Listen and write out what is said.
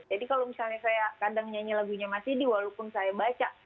jadi kalau misalnya saya kadang nyanyi lagunya mbak didi walaupun saya baca